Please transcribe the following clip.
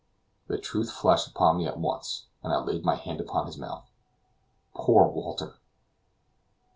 The truth flashed upon me at once, and I laid my hand upon his mouth. Poor Walter!